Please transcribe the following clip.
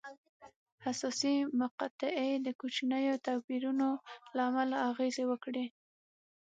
حساسې مقطعې د کوچنیو توپیرونو له امله اغېزې وکړې.